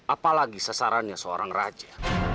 apalagi sesarannya seorang raja